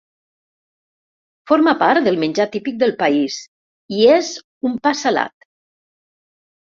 Forma part del menjar típic del país i és un pa salat.